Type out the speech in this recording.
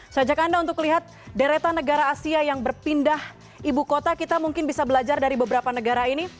saya ajak anda untuk lihat deretan negara asia yang berpindah ibu kota kita mungkin bisa belajar dari beberapa negara ini